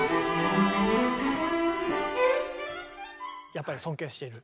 やっぱり尊敬している？